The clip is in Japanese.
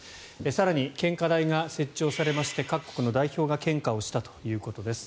更に、献花台が設置されまして各国の代表が献花したということです。